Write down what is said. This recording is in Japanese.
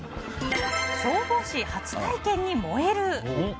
消防士初体験に燃える！